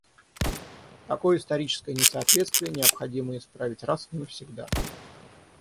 Такое историческое несоответствие необходимо исправить раз и навсегда.